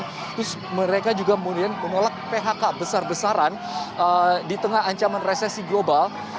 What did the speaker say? terus mereka juga menolak phk besar besaran di tengah ancaman resesi global